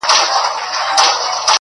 لیکل سوي ټول د ميني افسانې دي-